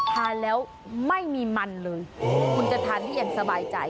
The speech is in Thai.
ทานแล้วไม่มีมันเลยคุณจะทานที่เอ็มสบายใจ